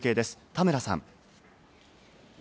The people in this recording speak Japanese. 田村さん。